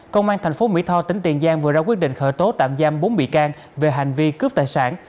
công an tp mỹ tho tỉnh tiền giang vừa ra quyết định khởi tố tạm giam bốn bị can về hành vi cướp tài sản